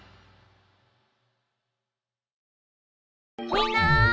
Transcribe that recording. みんな！